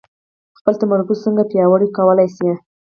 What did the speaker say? خپل تمرکز څنګه پياوړی کولای شئ؟